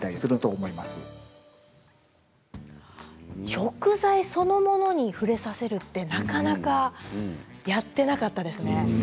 食材そのものに触れさせるということはなかなかやっていなかったですかね。